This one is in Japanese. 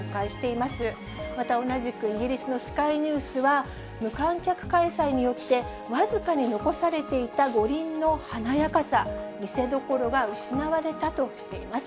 また同じくイギリスのスカイニュースは、無観客開催によって、僅かに残されていた五輪の華やかさ、見せどころが失われたとしています。